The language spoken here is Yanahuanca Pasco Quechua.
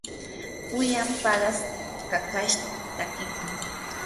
pullan paqas kakash takiykun.